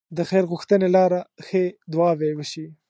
د خير غوښتنې لاره ښې دعاوې وشي.